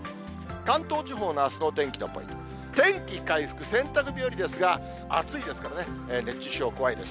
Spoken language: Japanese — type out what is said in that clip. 関東地方のあすのお天気のポイント、天気回復、洗濯日和ですが、暑いですからね、熱中症怖いです。